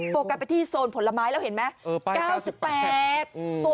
โปรกกันไปที่โซนผลไม้แล้วเห็นไหมเออป้ายเก้าสิบแปดอืม